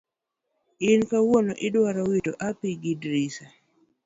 in kawuono idwa wito hapi gi drisa?